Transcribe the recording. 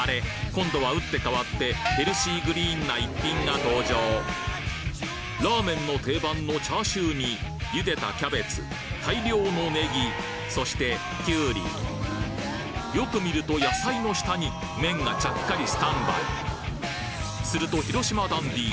今度は打って変わってヘルシーグリーンな一品が登場ラーメンの定番のチャーシューにゆでたキャベツ大量のネギそしてきゅうりよく見ると野菜の下に麺がちゃっかりスタンバイすると広島ダンディ